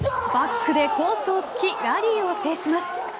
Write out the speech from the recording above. バックでコースを突きラリーを制します。